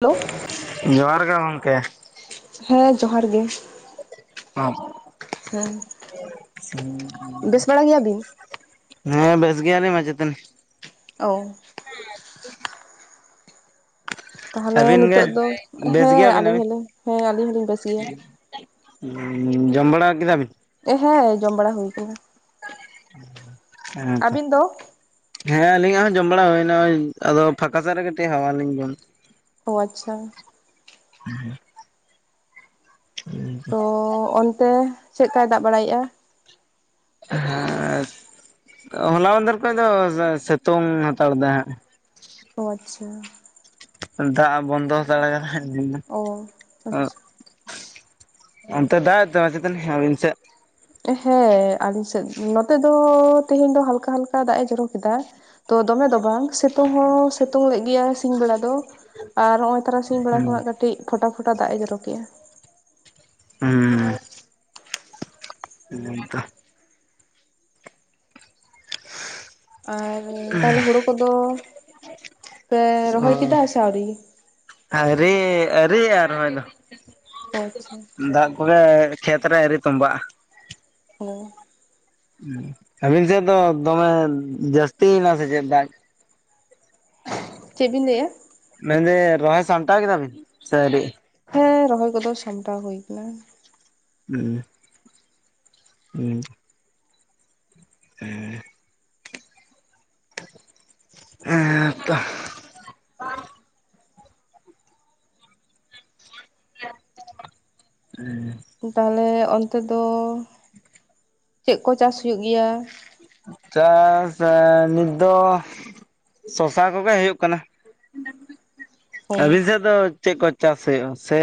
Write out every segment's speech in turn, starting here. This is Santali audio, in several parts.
ᱦᱮᱞᱳ, ᱡᱚᱦᱟᱨ ᱜᱮ ᱜᱚᱢᱠᱮ᱾ ᱦᱮᱸ ᱡᱚᱦᱟᱨ ᱜᱮ᱾ [unintelligible] ᱦᱮᱸ ᱵᱮᱥ ᱵᱟᱲᱟ ᱜᱮᱭᱟ ᱵᱤᱱ? ᱦᱮᱸ ᱵᱮᱥ ᱜᱮᱭᱟᱞᱤᱧ ᱢᱟᱪᱮᱛᱟᱹᱱᱤ ᱾ ᱚᱻ ᱛᱟᱦᱚᱞᱮ ᱟᱹᱵᱤᱱ ᱜᱮ ᱱᱤᱛᱚᱜ ᱫᱚ ᱵᱮᱥ ᱦᱮᱸ ᱜᱮᱭᱟᱵᱤᱱ ᱟᱹᱞᱤᱧ ᱦᱚᱞᱤᱧ ᱦᱮᱸ ᱟᱹᱞᱤᱧ ᱦᱚᱞᱤᱧ ᱵᱮᱥ ᱜᱮᱭᱟ᱾ [inaudible] ᱦᱩᱸ ᱡᱚᱢ ᱵᱟᱲᱟ ᱠᱮᱫᱟ ᱵᱤᱱ? ᱦᱮᱸ ᱡᱚᱢ ᱵᱟᱲᱟ ᱦᱩᱭ ᱟᱠᱟᱱᱟ ᱾ [inaudible] ᱦᱮᱸ ᱛᱚ ᱟᱹᱵᱤᱱ ᱫᱚ ᱾ [inaudible] ᱦᱮᱸ ᱟᱞᱤᱧᱟᱜ ᱦᱚᱸ ᱡᱚᱢ ᱵᱟᱲᱟ ᱦᱩᱭ ᱮᱱᱟ, ᱚᱭ ᱟᱫᱚ ᱯᱷᱟᱸᱠᱟ ᱥᱮᱜ ᱨᱮ ᱠᱟᱹᱴᱤᱡ ᱦᱟᱣᱟ ᱞᱤᱧ ᱡᱚᱢ ᱚ ᱟᱪᱪᱷᱟ ᱾ [inaudible] ᱛᱚ ᱚᱱᱛᱮ ᱪᱮᱫᱠᱟᱭ ᱫᱟᱜ ᱵᱟᱲᱟᱭᱮᱫ-ᱟ? ᱦᱮᱸ [inaudible] ᱦᱚᱞᱟ ᱢᱟᱸᱫᱷᱮᱨ ᱠᱷᱚᱡ ᱫᱚ ᱥᱤᱛᱩᱝ ᱦᱟᱛᱟᱲ ᱮᱫᱟᱭ ᱦᱟᱸᱜ ᱾ ᱚ ᱟᱪᱪᱷᱟ ᱾ ᱫᱟᱜ ᱵᱚᱱᱫᱚ ᱦᱟᱛᱟᱲ ᱟᱠᱟᱫᱟᱭ ᱚ ᱟᱪᱪᱷᱟ ᱾ [inaudible] [inaudible] ᱚᱱᱛᱮ ᱫᱟᱜ [unintelligible] ᱟᱹᱵᱤᱱ ᱥᱮᱫ? ᱦᱮᱸ ᱟᱞᱤᱧ ᱥᱮᱫ ᱱᱚᱛᱮ ᱫᱚ ᱛᱮᱦᱮᱧ ᱫᱚ ᱦᱟᱞᱠᱟ ᱦᱟᱞᱠᱟ ᱫᱟᱜ ᱮ ᱡᱚᱨᱚ ᱠᱮᱫᱟ ᱾ ᱛᱚ ᱫᱚᱢᱮ ᱫᱚ ᱵᱟᱝ ᱥᱤᱛᱩᱝ ᱦᱚᱸ ᱥᱤᱛᱩᱝ ᱞᱮᱫ ᱜᱮᱭᱟ ᱥᱤᱧ ᱵᱮᱲᱟ ᱫᱚ ᱾ ᱟᱨ ᱦᱚᱸᱜ-ᱚᱭ ᱛᱟᱨᱟᱥᱤᱧ ᱵᱮᱲᱟ ᱦᱩᱸ ᱠᱷᱚᱱᱟᱜ ᱠᱟᱹᱴᱤᱡ ᱯᱷᱚᱴᱟ ᱯᱷᱚᱴᱟ ᱫᱟᱜ ᱮ ᱡᱚᱨᱚ ᱠᱮᱫᱮᱜ-ᱟ ᱾ ᱦᱩᱸᱻ ᱦᱮᱸ ᱛᱚ ᱾ [inaudible] ᱟᱨ ᱛᱟᱦᱚᱞᱮ ᱦᱳᱲᱳ ᱠᱚᱫᱚ [inaudible] ᱯᱮ ᱚ ᱨᱚᱦᱚᱭ ᱠᱮᱫᱟ ᱥᱮ ᱟᱹᱣᱨᱤ? ᱟᱹᱣᱨᱤ ᱟᱹᱣᱨᱤᱭᱟ ᱨᱚᱦᱚᱭ ᱫᱚ ᱚ ᱾ ᱟᱪᱪᱷᱟ [inaudible] ᱫᱟᱜ ᱠᱚᱜᱮ ᱠᱷᱮᱛ ᱨᱮ ᱟᱹᱣᱨᱤ ᱛᱚᱸᱢᱵᱟᱜ-ᱟ ᱾ ᱚ ᱾ ᱦᱩ ᱸ, ᱟᱹᱵᱤᱱ ᱥᱮᱫ ᱫᱚ ᱫᱚᱢᱮ ᱡᱟᱹᱥᱛᱤᱭᱮᱱᱟ ᱥᱮ ᱪᱮᱫ ᱫᱟᱜ? [inaudible] ᱪᱮᱫ ᱵᱤᱱ ᱞᱟᱹᱭᱮᱫ-ᱟ? ᱢᱮᱱᱫᱟᱹᱧ ᱨᱚᱦᱚᱭ ᱥᱟᱢᱴᱟᱣ ᱠᱮᱫᱟᱵᱤᱱ ᱥᱮ ᱟᱹᱣᱨᱤ? ᱦᱮᱸ ᱨᱚᱦᱚᱭ ᱠᱚᱫᱚ ᱥᱟᱢᱴᱟᱣ ᱦᱩᱭ ᱟᱠᱟᱱᱟ ᱾ ᱦᱮᱸ ᱾ ᱦᱮᱸ ᱾ ᱦᱮᱸ ᱾ [inaudible] ᱦᱮᱸ ᱛᱚ ᱾ [inaudible] [unintelligible] ᱦᱮᱸ ᱾ ᱛᱟᱦᱚᱞᱮ ᱚᱱᱛᱮ ᱫᱚ [inaudible] ᱪᱮᱫ ᱠᱚ ᱪᱟᱥ ᱦᱩᱭᱩᱜ ᱜᱮᱭᱟ? ᱪᱟᱥ ᱟ ᱱᱤᱛ ᱫᱚ [inaudible] ᱥᱚᱥᱟ ᱠᱚᱜᱮ ᱦᱩᱭᱩᱜ ᱠᱟᱱᱟ᱾ ᱚ [inaudible] ᱟᱹᱵᱤᱱ ᱥᱮᱫ ᱫᱚ ᱪᱮᱫ ᱠᱚ ᱪᱟᱥ ᱦᱩᱭᱩᱜ-ᱟ ᱥᱮ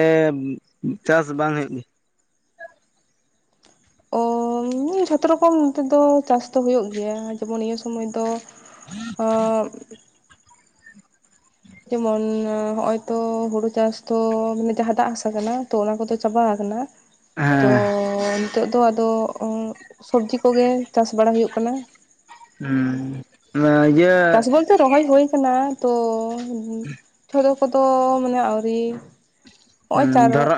ᱪᱟᱥ ᱵᱟᱝ ᱦᱩᱭᱩᱜ ᱚ ᱡᱷᱚᱛᱚ ᱨᱚᱠᱚᱢ ᱱᱚᱛᱮ ᱫᱚ ᱪᱟᱥ ᱫᱚ ᱦᱩᱭᱩᱜ ᱜᱮᱭᱟ, ᱡᱮᱢᱚᱱ ᱱᱤᱭᱟᱹ ᱥᱚᱢᱚᱭ ᱫᱚ ᱚᱜᱻ ᱡᱮᱢᱚᱱ ᱦᱚᱜ-ᱚᱭ ᱛᱚ ᱦᱩᱲᱩ ᱪᱟᱥ ᱛᱚ ᱢᱟᱱᱮ ᱡᱟᱦᱟᱸ ᱫᱟᱜ ᱦᱟᱥᱟ ᱠᱟᱱᱟ ᱛᱚ ᱚᱱᱟ ᱠᱚᱫᱚ ᱪᱟᱵᱟ ᱟᱠᱟᱱᱟ ᱾ ᱟᱫᱚ ᱱᱤᱛᱳᱜ ᱫᱚ ᱟᱫᱚ ᱥᱚᱵᱽᱡᱤ ᱠᱚᱜᱮ ᱪᱟᱥ ᱵᱟᱲᱟ ᱦᱩᱭᱩᱜ ᱠᱟᱱᱟ ᱾ ᱦᱮᱸ ᱾ ᱚᱱᱟ ᱤᱭᱟᱹ ᱪᱟᱥ ᱵᱚᱞᱛᱮ ᱨᱚᱦᱚᱭ ᱦᱩᱭ ᱟᱠᱟᱱᱟ, ᱛᱚᱻ ᱡᱷᱚᱛᱚ ᱠᱚᱫᱚ ᱢᱟᱱᱮ ᱟᱹᱣᱨᱤ ᱦᱚᱜ-ᱚᱭ ᱪᱟᱨ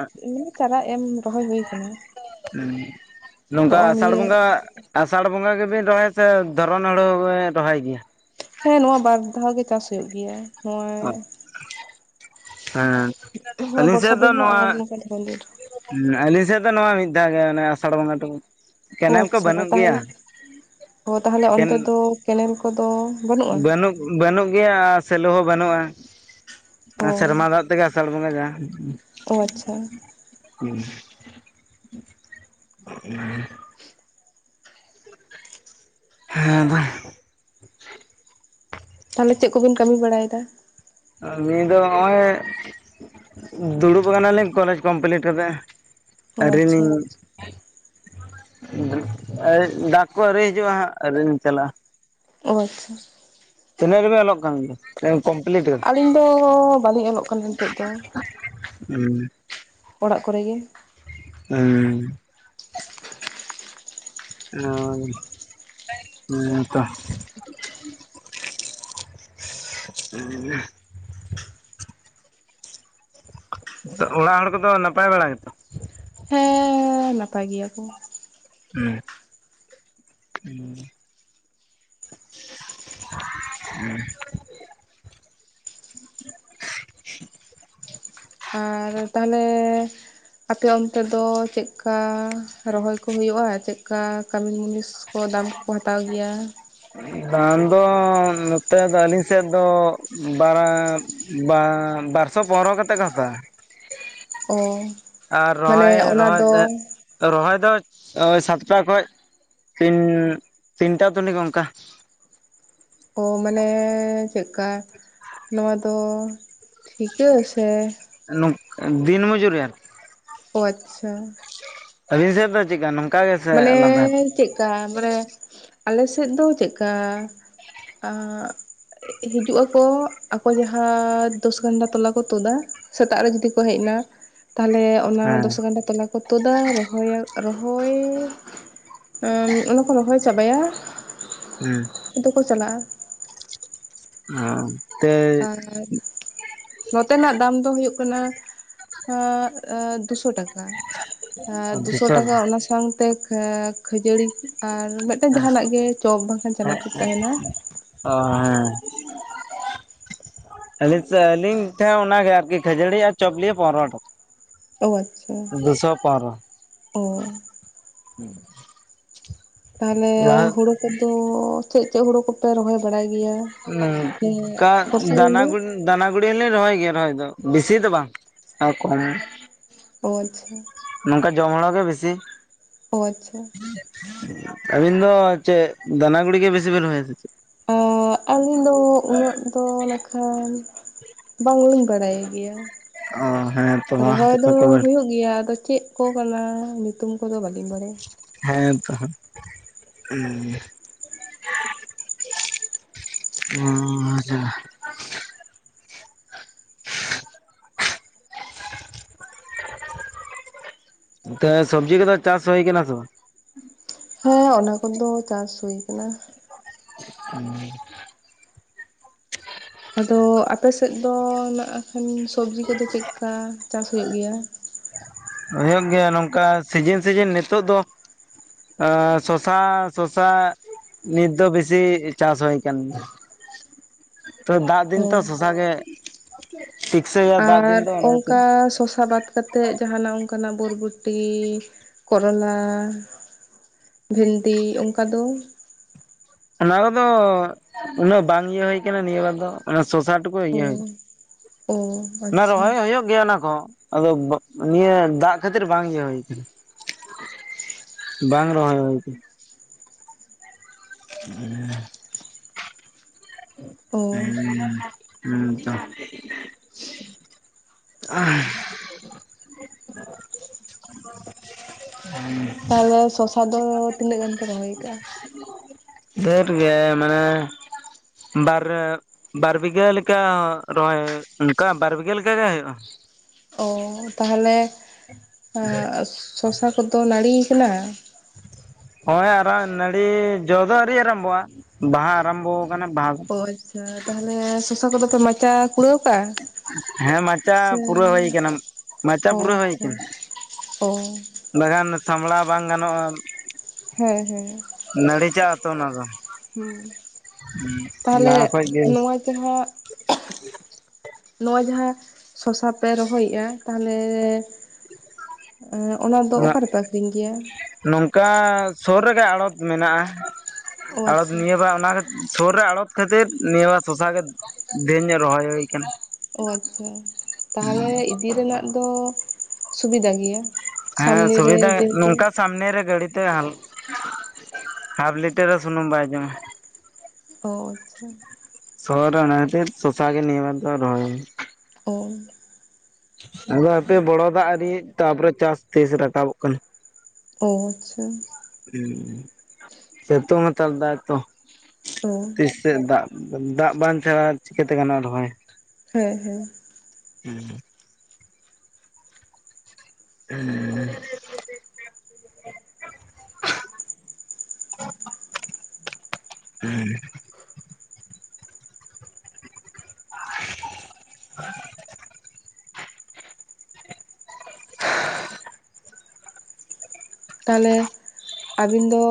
ᱪᱟᱨᱟ ᱮᱢ ᱨᱚᱦᱚᱭ ᱦᱩᱭ ᱠᱟᱱᱟ [inaudible] ᱦᱮᱸ ᱾ ᱱᱚᱝᱠᱟ ᱱᱚᱜᱼᱚᱭ ᱟᱥᱟᱲ ᱱᱤᱭᱟᱹ ᱵᱚᱸᱜᱟ ᱟᱥᱟᱲ ᱵᱚᱸᱜᱟ ᱜᱮᱵᱤᱱ ᱨᱚᱦᱚᱭᱟ ᱥᱮ ᱫᱷᱚᱨᱚᱱ ᱦᱩᱲᱩ ᱦᱚᱵᱮᱱ ᱨᱚᱦᱚᱭ ᱜᱮᱭᱟ? ᱦᱮᱸ ᱱᱚᱣᱟ ᱵᱟᱨ ᱫᱷᱟᱣ ᱜᱮ ᱪᱟᱥ ᱦᱩᱭᱩᱜ ᱜᱮᱭᱟ᱾ ᱱᱚᱣᱟ ᱚᱜ ᱦᱮᱸ ᱟᱹᱞᱤᱧ ᱵᱚᱨᱥᱟ ᱥᱮᱫ ᱫᱚ ᱫᱤᱱ ᱦᱚᱸ ᱱᱚᱣᱟ ᱟᱨ ᱱᱚᱝᱠᱟ ᱫᱷᱚᱨᱚᱱ ᱫᱤᱱ ᱨᱮᱦᱚᱸ ᱦᱮᱸ ᱟᱞᱤᱧ ᱥᱮᱫ ᱫᱚ ᱱᱚᱣᱟ ᱢᱤᱫ ᱫᱷᱟᱣ ᱜᱮ ᱚᱱᱮ ᱟᱥᱟᱲ ᱵᱚᱸᱜᱟ ᱴᱩᱠᱩ ᱚ ᱠᱮᱱᱮᱞ ᱠᱚ ᱟᱪᱪᱷᱟ ᱵᱟᱹᱱᱩᱜ ᱛᱟᱦᱚᱞ ᱜᱮᱭᱟ ᱚ ᱛᱟᱦᱚᱞᱮ ᱠᱮᱱ ᱚᱱᱛᱮ ᱫᱚ ᱠᱮᱱᱮᱞ ᱠᱚᱫᱚ ᱵᱟᱹᱱᱩᱜᱼᱟ? ᱵᱟᱹᱱᱩᱜ ᱵᱟᱹᱱᱩᱜ ᱜᱮᱭᱟ ᱟᱨ ᱥᱮᱞᱚ ᱦᱚᱸ ᱵᱟᱹᱱᱩᱜᱼᱟ ᱚ ᱮᱸ ᱥᱮᱨᱢᱟ ᱫᱟᱜ ᱛᱮᱜᱮ ᱟᱥᱟᱲ ᱵᱚᱸᱜᱟ ᱡᱟᱦᱟᱸ ᱟᱪᱪᱷᱟ᱾ ᱦᱩᱸ᱾ ᱦᱮᱸ ᱟᱫᱚ ᱛᱟᱦᱚᱞᱮ ᱪᱮᱫ ᱠᱚᱵᱤᱱ ᱠᱟᱹᱢᱤ ᱵᱟᱲᱟᱭᱫᱟ? ᱠᱟᱢᱤ ᱫᱚ ᱦᱚᱸᱜᱼᱚᱭ ᱫᱩᱲᱩᱵ ᱠᱟᱱᱟᱞᱤᱧ ᱠᱚᱞᱮᱡᱽ ᱠᱚᱢᱯᱞᱤᱴ ᱠᱟᱛᱮ ᱚ ᱟᱪᱪᱷᱟ ᱟᱹᱣᱨᱤᱞᱤᱧ ᱰᱟᱠᱽ ᱠᱚ ᱟᱹᱣᱨᱤ ᱦᱤᱡᱩᱜᱼᱟ ᱦᱟᱸᱜ ᱟᱹᱣᱨᱤᱞᱤᱧ ᱪᱟᱞᱟᱜᱼᱟ᱾ ᱚ᱾ ᱛᱤᱱᱟᱹᱜ ᱨᱮᱵᱤᱱ ᱚᱞᱚᱜ ᱠᱟᱱ ᱜᱮᱭᱟ? ᱥᱮ ᱠᱚᱢᱯᱞᱤᱴ? ᱠᱟᱫᱟ ᱟᱹᱞᱤᱧ ᱫᱚ ᱵᱟᱞᱤᱧ ᱚᱞᱚᱜ ᱠᱟᱱᱟ ᱱᱤᱛᱚᱜ ᱫᱚ᱾ ᱦᱩᱸ᱾ ᱚᱲᱟᱜ ᱠᱚᱨᱮ ᱜᱮ᱾ ᱦᱮᱸ᱾ ᱚ ᱦᱮᱸ ᱛᱚ᱾ ᱩᱸ᱾ ᱟᱫᱚ ᱚᱲᱟᱜ ᱦᱚᱲ ᱠᱚᱫᱚ ᱱᱟᱯᱟᱭ ᱵᱟᱲᱟ ᱜᱮᱛᱚ? ᱦᱮᱸ ᱱᱟᱯᱟᱭ ᱜᱮᱭᱟ ᱠᱚ᱾ ᱦᱩᱸ᱾ [inaudible] [inaudible] ᱟᱨ ᱛᱟᱦᱚᱞᱮ ᱟᱯᱮ ᱚᱱᱛᱮ ᱫᱚ ᱪᱮᱫ ᱠᱟ ᱨᱚᱦᱚᱭ ᱠᱚ ᱦᱩᱭᱩᱜᱼᱟ ᱪᱮᱫ ᱠᱟ ᱠᱟᱹᱢᱤ ᱢᱩᱱᱤᱥ ᱠᱚ ᱫᱟᱢ ᱠᱚᱠᱚ ᱦᱟᱛᱟᱣ ᱜᱮᱭᱟ᱾ ᱫᱟᱱ ᱫᱚ ᱱᱚᱛᱮ ᱫᱚ ᱟᱹᱞᱤᱧ ᱥᱮᱫ ᱫᱚ ᱵᱟᱨᱟ ᱵᱟᱝ ᱵᱟᱨ ᱥᱚ ᱵᱚᱨᱚ ᱠᱟᱛᱮ ᱠᱚ ᱦᱟᱛᱟᱣᱟ᱾ ᱚ᱾ ᱟᱨ ᱢᱟᱱᱮ ᱨᱚᱦᱚᱭᱮ ᱚᱱᱟ ᱨᱚᱦᱚᱭ ᱫᱮ ᱫᱚ ᱛᱚ ᱨᱚᱦᱚᱭ ᱫᱚ ᱚ ᱥᱟᱛᱴᱟ ᱠᱷᱚᱡ ᱛᱤᱱ ᱛᱤᱱᱴᱟ ᱛᱟᱹᱱᱤᱠ ᱚᱝᱠᱟ᱾ ᱚ ᱢᱟᱱᱮ ᱪᱮᱫᱠᱟ ᱱᱚᱣᱟ ᱫᱚ ᱴᱷᱤᱠᱟᱹ ᱥᱮ ᱱᱟᱜ, ᱫᱤᱱ ᱢᱚᱡᱩᱨᱤ ᱟᱨᱠᱤ᱾ ᱚ ᱟᱪᱪᱷᱟ᱾ ᱟᱹᱵᱤᱱ ᱥᱮ ᱫᱚ ᱪᱮᱫ ᱠᱟ ᱱᱚᱝ ᱢᱟᱱᱮ ᱪᱮᱫᱠᱟ ᱢᱟᱱᱮ ᱟᱞᱮ ᱥᱮᱫ ᱫᱚ ᱪᱮᱫᱠᱟ ᱟᱜ ᱦᱤᱡᱩᱜ ᱟᱠᱚ, ᱟᱠᱚ ᱡᱟᱦᱟᱸ ᱫᱚᱥ ᱜᱟᱱᱰᱟ ᱛᱚᱞᱟ ᱠᱚ ᱛᱩᱫᱟ ᱥᱮᱛᱟᱜ ᱨᱮ ᱡᱩᱫᱤ ᱠᱚ ᱦᱮᱡ ᱮᱱᱟ ᱛᱟᱦᱚᱞᱮ ᱚᱱᱟ ᱦᱮᱸ ᱫᱚᱥ ᱜᱟᱱᱰᱟ ᱛᱚᱞᱟ ᱠᱚ ᱛᱩᱫᱟ ᱨᱚᱦᱚᱭᱟ ᱨᱚᱦᱚᱭ ᱩᱸ ᱚᱱᱟ ᱠᱚ ᱨᱚᱦᱚᱭ ᱪᱟᱵᱟᱭᱟ ᱦᱩᱸᱻ ᱟᱫᱚ ᱠᱚ ᱪᱟᱞᱟᱜ-ᱟ, ᱚᱸᱻ ᱟᱨᱻ ᱱᱚᱛᱮᱱᱟᱜ ᱫᱟᱢ ᱫᱚ ᱦᱩᱭᱩᱜ ᱠᱟᱱᱟ [inaudible] ᱟᱻ ᱫᱩᱥᱚ ᱴᱟᱠᱟ, [inaudible] ᱟᱨ ᱫᱩᱥᱚ ᱫᱩᱥᱚᱱ ᱴᱟᱠᱟ ᱚᱱᱟ ᱥᱟᱶᱛᱮ ᱠᱷᱟᱹᱡᱟᱹᱲᱤ ᱟᱨ ᱢᱤᱫᱴᱮᱱ ᱡᱟᱦᱟᱱᱟᱜ ᱜᱮ ᱪᱚᱯ ᱵᱟᱝᱠᱷᱟᱱ ᱪᱟᱱᱟᱪᱩᱨ ᱛᱟᱦᱮᱱᱟ, ᱚᱻ ᱦᱮᱸᱻ [unintelligible] ᱟᱹᱞᱤᱧ ᱴᱷᱮᱱ ᱚᱱᱟ ᱜᱮ ᱟᱨᱠᱤ ᱠᱷᱟᱹᱡᱟᱹᱲᱤ ᱟᱨ ᱪᱚᱯ ᱞᱤᱭᱮ ᱯᱚᱱᱨᱚ ᱴᱟᱠᱟ᱾ ᱚ ᱟᱪᱪᱷᱟ [inaudible] ᱫᱩᱥᱚ ᱯᱚᱱᱨᱚ [inaudible] ᱚ ᱛᱟᱦᱚᱞᱮ ᱞᱟᱦᱟ ᱦᱩᱲᱩ ᱠᱚᱫᱚ ᱪᱮᱫ ᱪᱮᱫ ᱦᱩᱲᱩ ᱠᱚᱯᱮ ᱨᱚᱦᱚᱭ ᱵᱟᱲᱟᱭ ᱜᱮᱭᱟ ᱚᱱᱠᱟ ᱥᱮ ᱵᱚᱨᱥᱟ ᱫᱤᱱ ᱫᱟᱱᱟ ᱫᱚ ᱜᱩ ᱫᱟᱱᱟ ᱜᱩᱲᱤ ᱦᱚᱸᱞᱮ ᱨᱚᱦᱚᱭ ᱜᱮᱭᱟ ᱨᱚᱦᱚᱭ ᱫᱚ ᱵᱤᱥᱤ ᱫᱚ ᱵᱟᱝ ᱮᱸᱻ ᱠᱚᱢ ᱚ ᱻᱟᱪᱪᱷᱟ, ᱱᱚᱝᱠᱟ ᱡᱚᱢ ᱦᱚᱲᱟᱜ ᱜᱮ ᱵᱮᱥᱤ ᱚᱻ ᱟᱪᱪᱷᱟ, [inaudible] ᱟᱹᱵᱤᱱ ᱫᱚ ᱪᱮᱫ ᱫᱟᱱᱟ ᱜᱩᱲᱤ ᱜᱮ ᱵᱮᱥᱤ ᱵᱤᱱ ᱨᱚᱦᱚᱭᱟ ᱥᱮ ᱪᱮᱫ? ᱮᱸᱻ ᱟᱹᱞᱤᱧ ᱫᱚ ᱩᱱᱟᱹᱜ ᱫᱚ ᱱᱟᱜᱠᱷᱟᱱ ᱵᱟᱝ ᱞᱤᱧ ᱵᱟᱲᱟᱭ ᱜᱮᱭᱟ, ᱚ ᱦᱮᱸ ᱛᱚ ᱢᱟ [inaudible] ᱨᱚᱦᱚᱭ ᱫᱚ ᱦᱩᱭᱩᱜ ᱜᱮᱭᱟ ᱟᱫᱚ ᱪᱮᱫ ᱠᱚ ᱠᱟᱱᱟ ᱧᱩᱛᱩᱢ ᱠᱚᱫᱚ ᱵᱟᱹᱞᱤᱧ ᱵᱟᱲᱟᱭᱟ, ᱦᱮᱸ ᱛᱚ ᱦᱟᱸᱜ [inaudible] [inaudible] ᱚᱻᱟᱪᱪᱷᱟ, [inaudible] [inaudible] ᱛᱚᱵᱮ ᱥᱚᱵᱽᱡᱤ ᱠᱚᱫᱚ ᱪᱟᱥ ᱦᱩᱭ ᱠᱟᱱᱟ ᱥᱮ ᱵᱟᱝ? ᱦᱮᱸ ᱚᱱᱟ ᱠᱚᱫᱚ ᱪᱟᱥ ᱦᱩᱭ ᱟᱠᱟᱱᱟ᱾ [inaudible] ᱟᱫᱚ ᱟᱯᱮ ᱥᱮᱫ ᱫᱚ ᱱᱟᱜ ᱠᱷᱟᱱ ᱥᱚᱵᱽᱡᱤ ᱠᱚ ᱫᱚ ᱪᱮᱫᱠᱟ ᱪᱟᱥ ᱦᱩᱭᱩᱜ ᱜᱮᱭᱟ? ᱦᱩᱭᱩᱜ ᱜᱮᱭᱟ ᱱᱚᱝᱠᱟ ᱥᱤᱡᱤᱱ ᱥᱤᱡᱤᱱ ᱱᱤᱛᱳᱜ ᱫᱚ ᱮᱸᱻ ᱥᱚᱥᱟ-ᱥᱚᱥᱟ ᱱᱤᱛ ᱫᱚ ᱵᱮᱥᱤ ᱪᱟᱥ ᱦᱩᱭ ᱠᱟᱱ ᱜᱮᱭᱟ, ᱛᱚ ᱫᱟᱜ ᱫᱤᱱ ᱛᱚ ᱚ ᱥᱚᱥᱟ ᱜᱮ, ᱴᱤᱠᱥᱟᱹᱭᱟ ᱫᱟᱜ ᱫᱤᱱ ᱟᱨ ᱫᱚ ᱚᱱᱟ ᱠᱷᱟᱹᱛᱤᱨ ᱚᱱᱠᱟ ᱥᱚᱥᱟ ᱵᱟᱫ ᱠᱟᱛᱮᱫ ᱠᱟᱛᱮ ᱡᱟᱦᱟᱱᱟᱜ ᱚᱱᱠᱟᱱᱟᱜ ᱵᱚᱨᱵᱚᱴᱤ, ᱠᱚᱨᱚᱞᱟ ᱵᱷᱮᱱᱰᱤ ᱚᱱᱠᱟ ᱫᱚ ᱚᱱᱟ ᱠᱚᱫᱚ ᱩᱱᱟᱹᱜ ᱵᱟᱝ ᱤᱭᱟᱹ ᱦᱩᱭ ᱟᱠᱟᱱᱟ ᱱᱤᱭᱟᱹ ᱵᱟᱨ ᱫᱚ ᱚᱱᱟ ᱥᱚᱥᱟ [inaudible] ᱚ ᱚ ᱚᱱᱟ ᱟᱪᱪᱷᱟ ᱨᱚᱦᱚᱭ ᱦᱳᱭᱳᱜ ᱜᱮᱭᱟ ᱚᱱᱟ ᱠᱚ ᱟᱫᱚ ᱱᱤᱭᱟᱹ ᱫᱟᱜ ᱠᱷᱟᱹᱛᱤᱨ ᱵᱟᱝ ᱤᱭᱟᱹ ᱦᱩᱭ ᱠᱟᱱᱟ [inaudible] [inaudible] ᱵᱟᱝ ᱨᱚᱦᱚᱭ ᱦᱩᱭ ᱠᱟᱱᱟ᱾ ᱚ [inaudible] [inaudible] [inaudible] ᱛᱟᱦᱚᱞᱮ ᱥᱚᱥᱟ ᱫᱚ ᱛᱤᱱᱟᱹᱜ ᱜᱟᱱ ᱯᱮ ᱨᱚᱦᱚᱭ ᱟᱠᱟᱜ-ᱟ? [inaudible] ᱰᱷᱮᱨ ᱜᱮ ᱢᱟᱱᱮ, [inaudible] ᱵᱟᱨ ᱵᱟᱨ ᱵᱤᱜᱷᱟᱹ ᱞᱮᱠᱟ ᱨᱚᱦᱚᱭ ᱚᱱᱠᱟ ᱵᱟᱨ ᱵᱤᱜᱷᱟᱹ ᱞᱮᱠᱟ ᱜᱮ ᱦᱩᱭᱩᱜᱼᱟ᱾ ᱚ ᱛᱟᱦᱚᱞᱮ ᱥᱚᱥᱟ ᱠᱚᱫᱚ ᱱᱟᱹᱲᱤ ᱭᱟᱠᱟᱱᱟ᱾ ᱦᱚᱸᱭᱟ ᱟᱨᱟᱢ ᱱᱟᱹᱲᱤ ᱡᱚ ᱫᱚ ᱟᱹᱣᱨᱤ ᱟᱨᱟᱢᱵᱷᱚᱜᱼᱟ᱾ ᱵᱟᱦᱟ ᱟᱨᱟᱢᱵᱚ ᱟᱠᱟᱱᱟ ᱵᱟᱦᱟ ᱫᱚ ᱚ ᱟᱪᱪᱷᱟ ᱛᱟᱦᱚᱞᱮ ᱥᱚᱥᱟ ᱠᱚᱫᱚ ᱯᱮ ᱢᱟᱪᱟᱼᱼ ᱠᱩᱲᱟᱹᱣ ᱠᱟᱜᱼᱟ ᱦᱮᱸ ᱢᱟᱪᱟ ᱥᱮ ᱯᱩᱨᱟᱹᱣ ᱦᱩᱭ ᱠᱟᱱᱟ ᱢᱟᱪᱟ ᱚ ᱟᱪᱷᱟ ᱚᱻ ᱵᱟᱜᱟᱱ ᱥᱟᱢᱲᱟᱟᱣ ᱵᱟᱝ ᱜᱟᱱᱚᱜᱼᱟ᱾ ᱦᱮᱸ ᱦᱮᱸ ᱱᱚᱲ ᱪ ᱦᱟᱛᱟᱣ ᱚᱱᱟ ᱫᱚ ᱦᱮᱸ ᱛᱟᱦᱚᱞᱮ ᱞᱟᱦᱟ ᱠᱷᱚᱡ ᱜᱮ ᱱᱚᱣᱟ ᱡᱟᱦᱟᱸ ᱱᱚᱜᱚᱭ ᱡᱟᱦᱟᱸ ᱥᱚᱥᱟᱮ ᱨᱚᱦᱚᱭᱮᱫᱼᱟ ᱛᱟᱦᱚᱞᱮᱼᱼ ᱚᱱᱟ ᱫᱚ ᱩᱱᱟᱹᱜ ᱚᱠᱟ ᱨᱮᱯᱮ ᱟᱠᱷᱨᱤᱧ ᱜᱮᱭᱟ᱾ ᱱᱚᱝᱠᱟ ᱥᱩᱨ ᱨᱮᱜᱮ ᱟᱲᱚᱛ ᱢᱮᱱᱟᱜᱼᱟ᱾ ᱚ ᱟᱲᱚ ᱟᱪᱪᱷᱟ ᱱᱤᱭᱟᱹ ᱵᱟᱨ ᱚᱱᱟ ᱥᱩᱨ ᱨᱮ ᱟᱲᱚᱛᱼᱼ ᱠᱷᱟᱹᱛᱤᱨ ᱱᱤᱭᱟᱹ ᱢᱟ ᱥᱚᱥᱟ ᱜᱮ ᱫᱷᱮᱨ ᱧᱚᱜ ᱨᱚᱦᱚᱭ ᱦᱩᱭ ᱠᱟᱱᱟ᱾ ᱚ ᱟᱪᱷᱟ ᱛᱟᱦᱚᱞᱮ ᱤᱫᱤ ᱨᱮᱱᱟᱜ ᱫᱚ ᱥᱩᱵᱤᱫᱷᱟ ᱜᱮᱭᱟ᱾ ᱦᱮᱸ ᱥᱟᱢᱱᱮ ᱨᱮ ᱥᱩᱵᱤᱫᱷᱟ ᱡᱮᱦᱮᱛᱩ ᱱᱚᱝᱠᱟᱼᱼ ᱥᱟᱢᱱᱮ ᱨᱮ ᱜᱟᱹᱲᱛᱮ ᱦᱟᱯᱷ ᱞᱤᱴᱟᱨ ᱨᱮ ᱥᱩᱱᱩᱢ ᱵᱟᱭ ᱡᱚᱢᱟ᱾ ᱚ ᱟᱪᱪᱷᱟ᱾ ᱥᱚᱦᱚᱨ ᱚᱱᱟᱱᱟᱛᱮ ᱥᱳᱥᱟ ᱜᱤ ᱱᱢᱟᱨ ᱨᱚᱦᱚᱭᱼᱼ ᱚᱻ ᱟᱫᱚ ᱦᱟᱯᱮ ᱵᱚᱲᱚᱚᱫᱟᱜ ᱟᱹ ᱛᱟᱯᱚᱨᱮ ᱪᱟᱥ ᱛᱤᱥ ᱨᱟᱠᱟᱵᱚᱜ ᱠᱟᱱᱟ᱾ ᱚᱻ ᱟᱪᱪᱷᱟ᱾ ᱦᱮᱸ ᱥᱤᱛᱩᱝ ᱦᱟᱛᱟᱲ ᱫᱟᱭ ᱛᱚ ᱚᱻ ᱛᱤᱥᱮᱫ ᱫᱟᱜ ᱫᱟᱜ ᱵᱟᱝ ᱛᱮ ᱪᱤᱠᱟᱹᱛᱮ ᱜᱟᱱᱚᱜ ᱟᱨᱦᱚᱭ᱾ ᱦᱩᱭᱸ ᱦᱩᱭᱸ ᱦᱩᱢᱸ ᱦᱮᱸ ᱦᱮᱸ [inaudible] ᱛᱟᱦᱚᱞᱮ ᱟᱹᱵᱤᱱ ᱫᱚᱼᱼ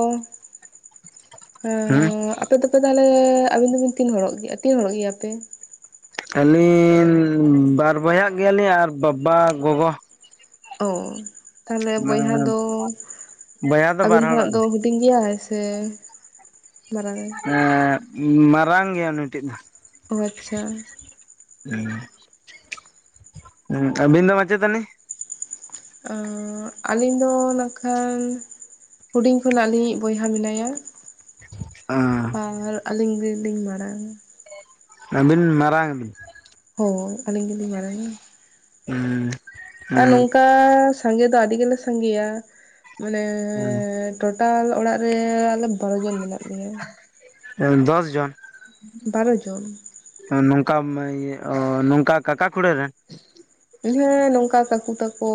ᱦᱮᱸ ᱟᱯᱮ ᱫᱚᱯᱮ ᱛᱟᱦᱚᱞᱮ ᱟᱵᱤᱱ ᱫᱚᱵᱤᱱ ᱛᱤᱱ ᱦᱚᱲᱚᱜ ᱜᱮᱭᱟ ᱛᱤᱱ ᱦᱚᱲᱚᱜ ᱜᱮᱭᱟᱯᱮ? ᱟᱹᱞᱤᱧ ᱵᱟᱨ ᱵᱚᱭᱦᱟᱜ ᱜᱮᱭᱟᱞᱤᱧ ᱟᱨ ᱵᱟᱵᱟ ᱜᱚᱜᱚᱼᱼ ᱚ ᱛᱟᱦᱚᱞᱮ ᱵᱚᱭᱦᱟ ᱫᱚ ᱫᱚ ᱟᱹᱵᱤᱱ ᱵᱟᱨ ᱠᱷᱚᱱᱟᱜ ᱦᱚᱲᱚᱜ ᱫᱚ ᱟᱞᱮ ᱦᱩᱼᱼ ᱴᱸᱜᱤᱭᱟᱭ ᱥᱮ ᱢᱟᱨᱟᱝ ᱟᱭ᱾ ᱮᱸᱻ ᱢᱟᱨᱟᱝ ᱜᱮᱭᱟ ᱱᱴᱮᱱ ᱫᱚ᱾ ᱚ ᱟᱪᱪᱷᱟ᱾ ᱦᱸ ᱦᱸ ᱟᱵᱤᱱ ᱫᱚ ᱢᱟᱪᱮᱛᱟᱹᱱᱤᱼᱼ ᱚᱸᱻ ᱟᱹᱞᱤᱧ ᱫᱚ ᱱᱟᱠᱷᱟᱱ ᱦᱩᱰᱤᱧ ᱠᱷᱚᱱᱟᱜ ᱞᱤᱧᱤᱡ ᱵᱚᱭᱦᱟ ᱢᱮᱱᱟᱭᱟ᱾ ᱦᱸᱻ ᱵᱟᱝ ᱟᱨ ᱟᱹᱞᱤᱧ ᱜᱮᱞᱤᱧ ᱵᱟᱲᱟᱭ᱾ ᱟᱹᱵᱤᱱ ᱢᱟᱨᱟᱝ ᱵᱤᱱ? ᱦᱳᱭ ᱟᱹᱞᱤᱧ ᱜᱮᱞᱤᱧ ᱵᱟᱲᱟᱭᱟ ᱩᱸ᱾ ᱟᱨ ᱱᱚᱝᱠᱟ ᱥᱟᱸᱜᱮ ᱫᱚ ᱟᱹᱰᱤ ᱜᱮᱞᱮ ᱥᱟᱸᱜᱮᱭᱟ ᱢᱟᱱᱮ ᱴᱳᱴᱟᱞ ᱚᱲᱟᱜ ᱨᱮ ᱟᱞᱮ ᱵᱟᱨ ᱡᱚᱱ ᱢᱮᱱᱟᱜ ᱞᱮᱭᱟ᱾ ᱮ ᱫᱚᱥ ᱡᱚᱱ? ᱵᱟᱨᱚ ᱡᱚᱱ᱾ ᱱᱚᱝᱠᱟ ᱤᱭᱟᱹ ᱱᱚᱝᱠᱟ ᱠᱟᱠᱟ ᱠᱷᱲᱟᱹ ᱨᱮᱱ? ᱦᱮᱸ ᱱᱚᱝᱠᱟ ᱠᱟᱠᱩ ᱛᱟᱠᱚ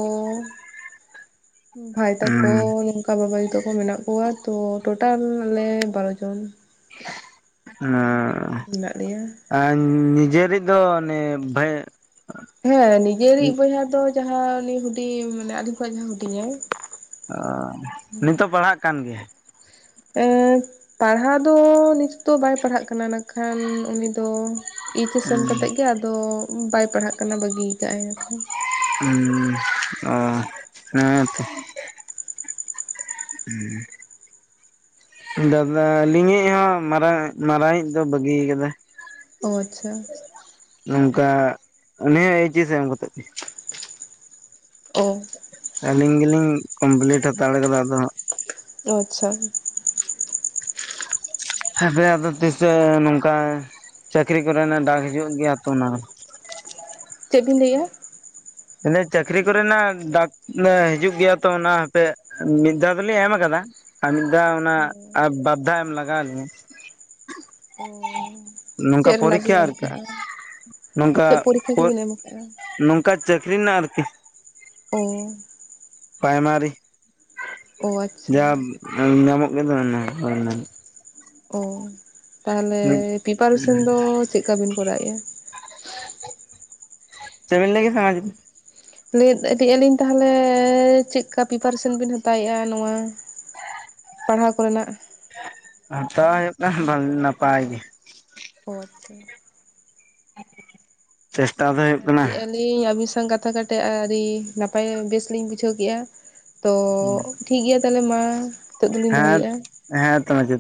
ᱵᱷᱟᱭ ᱛᱟᱠᱚ ᱱᱚᱝ ᱠᱟ ᱵᱟᱵᱟᱭᱩ ᱛᱟᱠᱚ ᱢᱮᱱᱟᱜ ᱠᱚᱣᱟ ᱛᱚ ᱴᱳᱴᱟᱞ ᱟᱞᱮ ᱵᱟᱨ ᱡᱚᱱ᱾ ᱩᱸ᱾ ᱢᱮᱱᱟᱜ ᱞᱮᱭᱟ ᱟᱸᱧ ᱱᱤᱡᱮᱨᱤᱡ ᱫᱚ ᱚᱱᱮ ᱵᱷᱟᱹ ᱦᱮᱸ ᱱᱤᱡᱮᱨᱤᱡ ᱵᱚᱭᱦᱟ ᱫᱚ ᱡᱟᱦᱟᱸ ᱩᱱᱤ ᱦᱩᱰᱤᱧ ᱢᱟᱱᱮ ᱟᱹᱫᱧ ᱠᱷᱚᱡ ᱦᱚᱸ ᱦᱩᱰᱤᱧᱟᱭ ᱚ ᱱᱤᱛᱚᱜ ᱯᱟᱲᱦᱟᱜ ᱠᱟᱱ ᱜᱮᱭᱟᱭ? ᱮᱸ ᱯᱟᱲᱦᱟᱣ ᱫᱚ ᱱᱤᱛ ᱫᱚ ᱵᱟᱭ ᱯᱟᱲᱦᱟᱸᱜ ᱠᱟᱱᱟ ᱱᱟᱜ ᱠᱷᱟᱱ ᱩᱱᱤ ᱫᱚ ᱮᱭᱤᱪ ᱮᱥ ᱮᱢ ᱠᱟᱛᱮᱫ ᱜᱮ ᱟᱫᱚ ᱵᱟᱭ ᱯᱟᱲᱦᱟᱜ ᱠᱟᱱᱟ ᱵᱟᱹᱜᱤᱭ ᱠᱟᱜᱟᱭ ᱦᱟᱸᱠᱷᱟᱱ᱾ ᱩᱸ ᱚ ᱦᱮᱸᱛᱚ᱾ ᱦᱩᱸ᱾ ᱫᱟᱫᱟ ᱟᱞᱤᱡ ᱦᱚᱸ ᱢᱟᱨᱟᱝ ᱢᱟᱨᱟᱝ ᱤᱡ ᱫᱚ ᱵᱟᱹᱜᱤᱭ ᱠᱟᱫᱟᱭ᱾ ᱚ ᱟᱪᱪᱷᱟ᱾ ᱱᱚᱝᱠᱟ ᱩᱱᱤ ᱦᱚᱸ ᱮᱭᱤᱪ ᱮᱥ ᱮᱢ ᱠᱟᱛᱮ ᱜᱮ᱾ ᱚ᱾ ᱟᱹᱞᱤᱧ ᱜᱮᱞᱤᱧ ᱠᱚᱢᱯᱞᱤᱴ ᱦᱟᱛᱟᱲ ᱠᱟᱫᱟ ᱟᱫᱚ ᱚ ᱟᱪᱪᱷᱟ᱾ ᱦᱟᱯᱮ ᱟᱫᱚ ᱛᱤᱥ ᱪᱚ ᱱᱚᱝᱠᱟ ᱪᱟᱹᱠᱨᱤ ᱠᱚᱨᱮᱱᱟᱜ ᱰᱟᱠ ᱦᱤᱡᱩᱜ ᱜᱮᱭᱟ ᱛᱚ ᱚᱱᱟ᱾ ᱪᱮᱫ ᱵᱤᱱ ᱞᱟᱹᱭᱮᱜᱼᱟ? ᱮ ᱪᱟᱹᱠᱨᱤ ᱠᱚᱨᱮᱱᱟᱜ ᱰᱟᱠ ᱦᱤᱡᱩᱜ ᱜᱮᱭᱟ ᱛᱚ ᱚᱱᱟ ᱦᱟᱯᱮ ᱢᱤᱫ ᱫᱷᱟᱣ ᱫᱚᱞᱮ ᱮᱢ ᱠᱟᱫᱟ ᱟᱨ ᱢᱤᱫ ᱫᱷᱟᱣ ᱚᱱᱟ ᱚ ᱟᱨ ᱵᱟᱨᱫᱷᱟ ᱮᱢ ᱞᱟᱜᱟᱣ ᱞᱤᱧᱟᱹ᱾ ᱚ ᱪᱮᱫ ᱨᱮᱱᱟᱜ ᱵᱤᱱ ᱯᱚᱨᱤᱠᱠᱷᱟ ᱮᱢ ᱟᱨᱠᱤ ᱠᱟᱜᱼᱟ? ᱱᱚᱝᱠᱟ ᱪᱮᱫ ᱯᱚᱨᱤᱠᱠᱷᱟ ᱠᱚᱵᱤᱱ ᱮᱢ ᱠᱟᱜᱼᱟ? ᱱᱚᱝᱠᱟ ᱪᱟᱹᱠᱨᱤ ᱨᱮᱱᱟᱜ ᱟᱨᱠᱤ᱾ ᱚ᱾ ᱯᱨᱟᱭᱢᱟᱨᱤ ᱚ ᱟᱪᱪᱷᱟ ᱡᱟ ᱧᱟᱢᱚᱜ ᱜᱮᱫᱚ ᱚᱱᱟ ᱦᱳᱭ ᱚᱱᱟ ᱜᱮ᱾ ᱚ ᱛᱟᱦᱚᱞᱮ ᱯᱤᱯᱟᱨᱮᱥᱚᱱ ᱫᱚ ᱪᱮᱫᱠᱟ ᱵᱤᱱ ᱠᱚᱨᱟᱣᱮᱫᱼᱟ? ᱪᱮᱫᱵᱤᱱ ᱞᱟᱹᱭ ᱠᱮᱫᱟ ᱟᱨ ᱢᱤᱫᱫᱷᱟᱣ ᱞᱮ ᱤᱫᱤᱜ ᱟᱹᱞᱤᱧ ᱛᱟᱦᱟᱞᱮ ᱪᱮᱫᱠᱟ ᱯᱨᱤᱯᱟᱨᱮᱥᱮᱱ ᱵᱮᱱ ᱦᱟᱛᱟᱣᱮᱜᱼᱟ ᱱᱚᱣᱟ? ᱯᱟᱲᱦᱟᱣ ᱠᱚᱨᱮᱱᱟᱜ? ᱦᱟᱛᱟᱣ ᱦᱩᱭᱩᱜ ᱠᱟᱱᱟ ᱵᱷᱟᱞᱮ ᱱᱟᱯᱟᱭ ᱜᱮ᱾ ᱚ ᱟᱪᱪᱷᱟ᱾ ᱪᱮᱥᱴᱟ ᱫᱚ ᱦᱩᱭᱩᱜ ᱟᱪᱪᱷᱟ ᱠᱟᱱᱟ ᱞᱮᱜ ᱟᱞᱤᱧ ᱟᱹᱵᱤᱱ ᱥᱟᱶ ᱠᱟᱛᱷᱟ ᱠᱟᱛᱮᱜ ᱟᱹᱰᱤ ᱱᱟᱯᱟᱭ ᱵᱮᱥ ᱞᱤᱧ ᱵᱩᱡᱷᱟᱹᱣ ᱠᱮᱜᱼᱟ ᱛᱚ ᱴᱷᱤᱠ ᱜᱮᱭᱟ ᱛᱟᱦᱚᱞᱮ ᱢᱟ᱾ ᱱᱤᱛᱚᱜ ᱫᱚᱞᱤᱧ ᱦᱮᱸ ᱫᱚᱦᱚᱭᱮᱜᱼᱟ᱾ ᱦᱮᱸ ᱛᱚ [unintelligible]